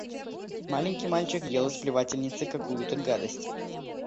Маленький мальчик ел из плевательницы какую-то гадость.